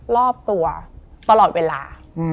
รอบตัวตลอดเวลา